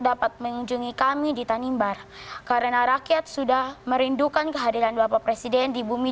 dapat mengunjungi kami di tanimbar karena rakyat sudah merindukan kehadiran bapak presiden di bumi